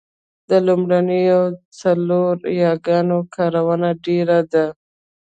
د لومړنیو څلورو یاګانو کارونه ډېره ده